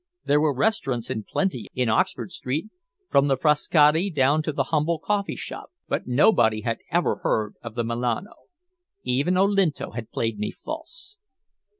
There were restaurants in plenty in Oxford Street, from the Frascati down to the humble coffeeshop, but nobody had ever heard of the "Milano." Even Olinto had played me false!